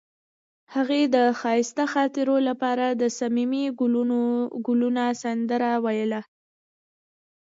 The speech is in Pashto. هغې د ښایسته خاطرو لپاره د صمیمي ګلونه سندره ویله.